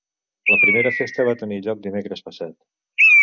La primera festa va tenir lloc dimecres passat.